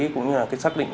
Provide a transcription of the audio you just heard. cũng như là cái xác định